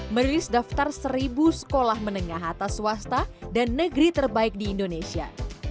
merilis daftar seribu sekolah menengah atas swasta dan negeri terbaik di indonesia